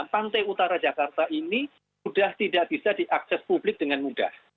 pantai utara jakarta ini sudah tidak bisa diakses publik dengan mudah